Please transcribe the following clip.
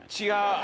違う！